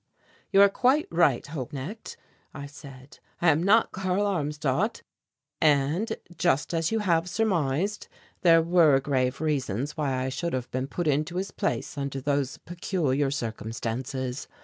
"You are quite right, Holknecht," I said; "I am not Karl Armstadt; and, just as you have surmised, there were grave reasons why I should have been put into his place under those peculiar circumstances.